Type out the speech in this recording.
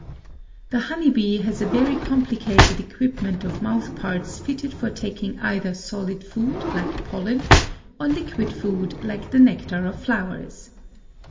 The honey bee has a very complicated equipment of mouth parts fitted for taking either solid food like pollen or liquid food like the nectar of flowers.